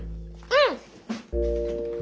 うん！